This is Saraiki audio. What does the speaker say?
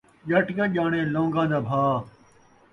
ڄٹ کیا ڄاݨے لون٘گا دا بھاء